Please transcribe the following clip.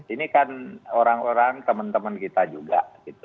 ini kan orang orang teman teman kita juga